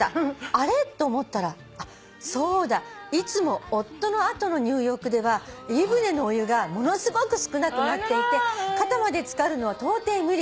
「あれ？と思ったらそうだいつも夫の後の入浴では湯船のお湯がものすごく少なくなっていて肩まで漬かるのはとうてい無理。